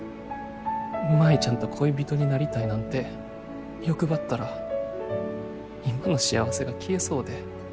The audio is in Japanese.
舞ちゃんと恋人になりたいなんて欲張ったら今の幸せが消えそうで。